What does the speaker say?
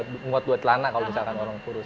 buat buat celana kalau misalkan orang kurus